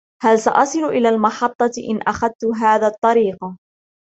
هل سأصل إلى المحطة إن أخذت هذا الطريق؟